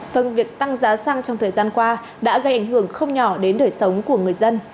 phần việc tăng giá xăng trong thời gian qua đã gây ảnh hưởng không nhỏ đến đời sống của người dân